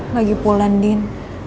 lagi pulan din